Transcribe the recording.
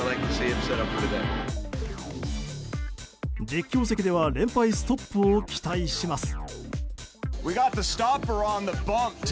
実況席では連敗ストップを期待します。